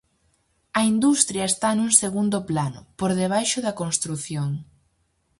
A industria está nun segundo plano, por debaixo da construción.